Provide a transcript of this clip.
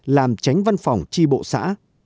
làm tránh văn phòng chi bộ xã